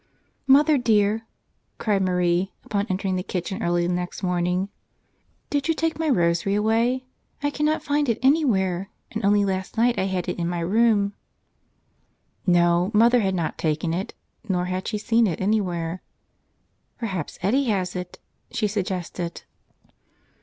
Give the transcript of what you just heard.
"Mother dear," cried Marie, upon entering the kitchen early the next morning, "did you take my 11 T U A 2 " Tel 1 Us Another /" rosary away? I can not find it anywhere, and only last night I had it in my room." No, mother had not taken it, nor had she seen it anywhere. "Perhaps Eddie has it," she suggested.